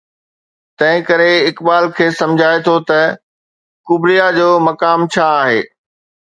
تنهن ڪري اقبال کيس سمجهائي ٿو ته ڪبريا جو مقام ڇا آهي؟